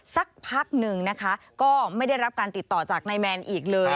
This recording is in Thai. สักพักหนึ่งนะคะก็ไม่ได้รับการติดต่อจากนายแมนอีกเลย